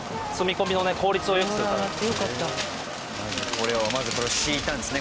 これをまずこれを敷いたんですね